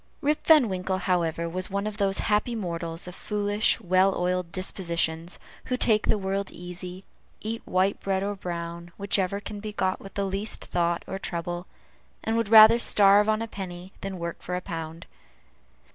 Rip Van Winkle, however, was one of those happy mortals, of foolish, well oiled dispositions, who take the world easy, eat white bread or brown, whichever can be got with least thought or trouble, and would rather starve on a penny than work for a pound.